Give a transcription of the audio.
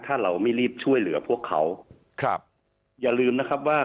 ถ้าเราไม่รีบช่วยเหลือพวกเขาครับอย่าลืมนะครับว่า